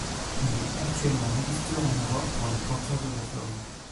Il est actuellement dépisteur en Europe pour les Panthers de la Floride.